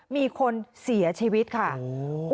มีคนเสียชีวิตค่ะโอ้โห